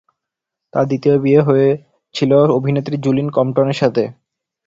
তার দ্বিতীয় বিয়ে ছিল অভিনেত্রী জুলিন কম্পটনের সাথে।